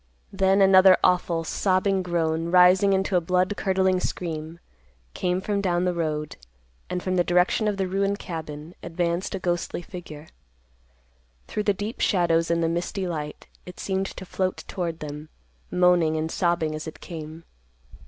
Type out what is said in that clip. Then another awful, sobbing groan, rising into a blood curdling scream, came from down the road, and, from the direction of the ruined cabin, advanced a ghostly figure. Through the deep shadows and the misty light, it seemed to float toward them, moaning and sobbing as it came.